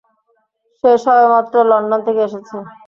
সে সবেমাত্র লন্ডন থেকে এসেছে।